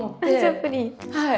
はい。